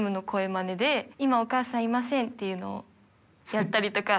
まねで、今お母さんいませんっていうのをやったりとか。